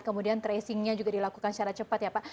kemudian tracingnya juga dilakukan secara cepat ya pak